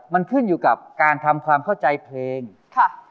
มันขึ้นอยู่กับการทำความเข้าใจเพลงค่ะ